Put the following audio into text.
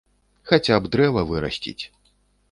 Хаця б дрэва вырасціць.